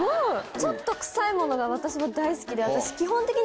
ちょっと臭いものが私も大好きで私基本的に。